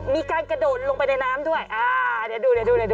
มีการกระโดดลงไปในน้ำด้วยอ่าเดี๋ยวดู